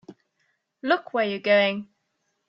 Look where you're going!